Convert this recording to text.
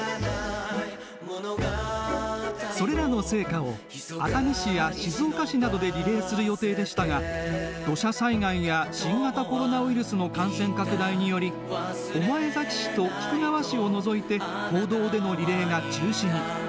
それらの聖火を、熱海市や静岡市などでリレーする予定でしたが、土砂災害や新型コロナウイルスの感染拡大により、御前崎市と菊川市を除いて、公道でのリレーが中止に。